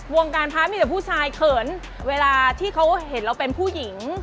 วงการพระมีแต่ผู้ชายเขินเวลาที่เขาเห็นเราเป็นผู้หญิง